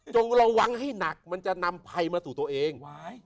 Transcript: ระวังให้หนักมันจะนำภัยมาสู่ตัวเอง